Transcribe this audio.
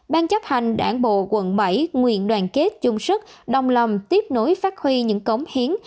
ban chấp hành đảng bộ quận bảy nguyện đoàn kết chung sức đồng lòng tiếp nối phát huy những cống hiến